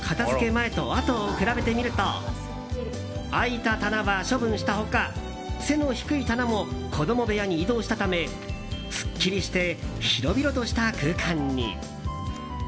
前とあとを比べてみると空いた棚は処分した他背の低い棚も子供部屋に移動したためすっきりして広々とした空間に。